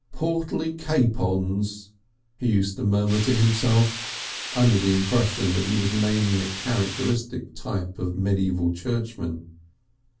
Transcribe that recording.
"Portly capóns," he used to murmur to himself, under the impression that he was naming a characteristic type of medieval churchman.